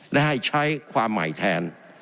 ได้ให้ใช้ความใหม่แทน